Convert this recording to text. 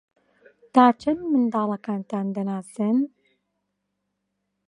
تا چەند منداڵەکانتان دەناسن؟